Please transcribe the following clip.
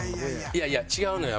いやいや違うのよ